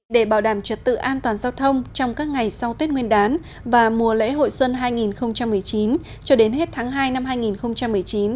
để bảo đảm trật tự an toàn giao thông trong các ngày sau tết nguyên đán và mùa lễ hội xuân hai nghìn một mươi chín cho đến hết tháng hai năm hai nghìn một mươi chín